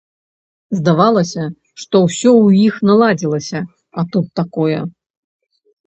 Здавалася, што ўсё ў іх наладзілася, а тут такое.